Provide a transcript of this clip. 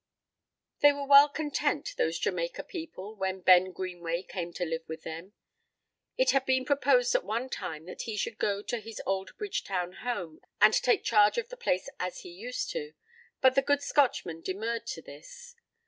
They were well content, those Jamaica people, when Ben Greenway came to live with them. It had been proposed at one time that he should go to his old Bridgetown home and take charge of the place as he used to, but the good Scotchman demurred to this.